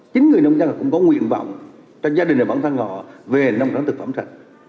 chính người nông dân cũng có nguyện vọng cho gia đình và bản thân họ về nông sản thực phẩm sạch